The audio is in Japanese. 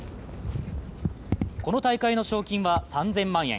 この大会の賞金は３０００万円。